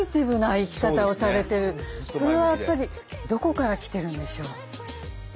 それはやっぱりどこからきてるんでしょう？